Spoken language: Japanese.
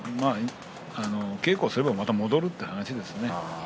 稽古をすればまた戻るという話ですね。